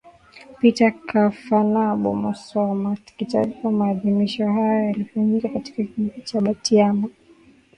Peter Kafanabo Musoma Kitaifa maadhimisho haya yalifanyika katika Kijiji cha Butiama